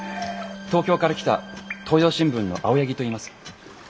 東京から来た東洋新聞の青柳といいます。